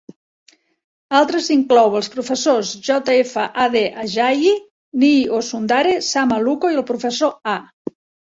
Altres inclou els professors J. F. Ade Ajayi, Niyi Osundare, Sam Aluko i el professor A.